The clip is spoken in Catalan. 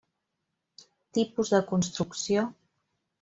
Tipus de construcció: